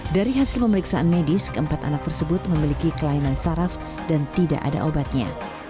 dari hasil pemeriksaan medis keempat anak tersebut memiliki kelainan saraf dan tidak ada obatnya